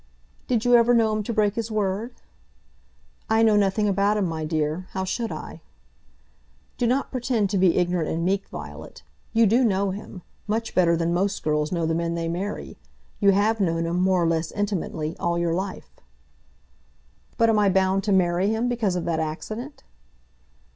"Did you ever know him to break his word?" "I know nothing about him, my dear. How should I?" "Do not pretend to be ignorant and meek, Violet. You do know him, much better than most girls know the men they marry. You have known him, more or less intimately, all your life." "But am I bound to marry him because of that accident?"